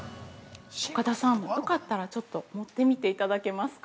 ◆岡田さん、よかったらちょっと持ってみていただけますか。